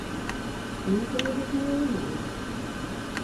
E non sabiades nada de nada?